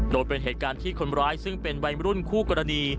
โดยเป็นเหตุการณ์ที่คนร้ายซึ่งเป็นวัยรุ่นคู่กรณี